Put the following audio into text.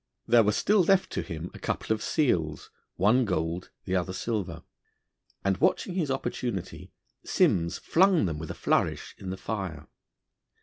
There were still left him a couple of seals, one gold, the other silver, and watching his opportunity, Simms flung them with a flourish in the fire.